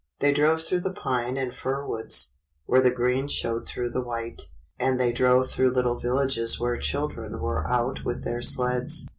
They drove through the pine and fir woods, where the green showed through the white, and they drove through little villages where children were out with their sleds.